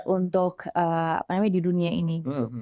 untuk apa namanya di dunia ini